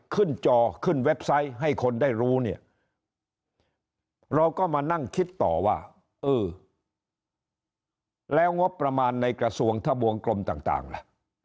จอขึ้นเว็บไซต์ให้คนได้รู้เนี่ยเราก็มานั่งคิดต่อว่าเออแล้วงบประมาณในกระทรวงทะบวงกลมต่างล่ะ